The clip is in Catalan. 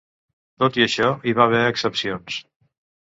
Tot i això, hi va haver excepcions.